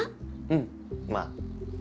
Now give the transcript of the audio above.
うんまあ。